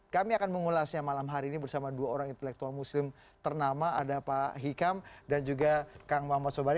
kami akan mengulasnya malam hari ini bersama dua orang intelektual muslim ternama ada pak hikam dan juga kang mamat sobari